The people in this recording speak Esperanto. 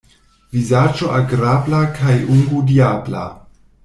Vizaĝo agrabla kaj ungo diabla.